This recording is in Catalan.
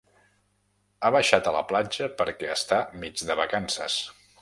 Ha baixat a la platja perquè està mig de vacances.